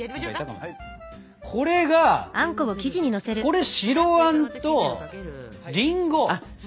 これがこれ白あんとりんごあん。